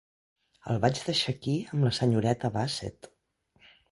El vaig deixar aquí amb la senyoreta Bassett.